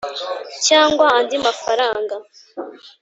Cyangwa andi mafaranga